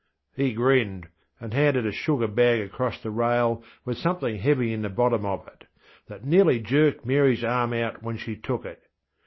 He grinned, and handed a sugar bag across the rail with something heavy in the bottom of it, that nearly jerked MaryŌĆÖs arm out when she took it.